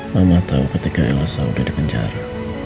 mama tau ketika ilhasa udah di penjara